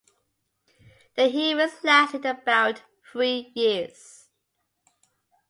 The hearings lasted about three years.